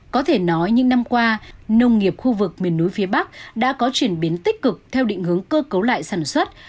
có thể nói những năm qua nông nghiệp khu vực miền núi phía bắc đã có chuyển biến tích cực theo định hướng cơ cấu lại sản xuất